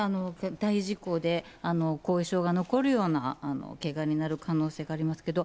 大事故で後遺症が残るようなけがになる可能性がありますけど。